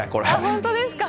本当ですか？